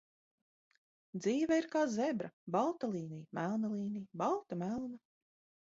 Dzīve ir kā zebra, balta līnija, melna līnija, balta, melna